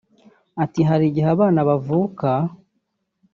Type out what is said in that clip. Ati “ Hari igihe abana bavuka